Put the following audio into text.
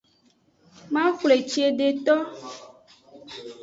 Maxwle cedeto.